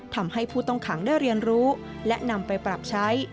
ทำให้ผู้ต้องขังได้เรียนรู้และนำไปปรับใช้